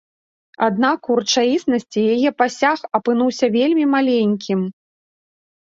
Аднак у рэчаіснасці яе пасаг апынуўся вельмі маленькім.